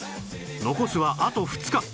残すはあと２日